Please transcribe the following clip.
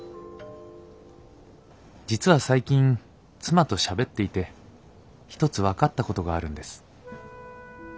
実は最近妻としゃべっていて一つ分かったことがあるんです。